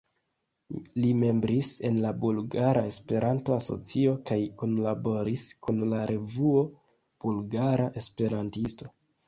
Li membris en la Bulgara Esperanto-Asocio kaj kunlaboris kun la revuo "Bulgara Esperantisto".